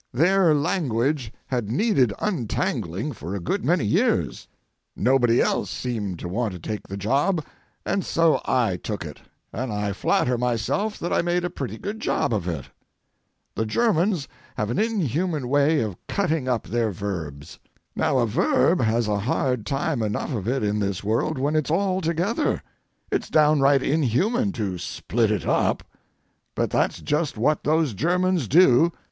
Their language had needed untangling for a good many years. Nobody else seemed to want to take the job, and so I took it, and I flatter myself that I made a pretty good job of it. The Germans have an inhuman way of cutting up their verbs. Now a verb has a hard time enough of it in this world when it's all together. It's downright inhuman to split it up. But that's just what those Germans do.